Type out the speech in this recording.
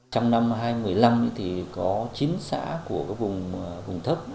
trong năm hai nghìn một mươi năm thì có chín xã của vùng vùng thấp